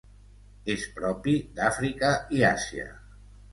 És propi d'Àfrica i Àsia.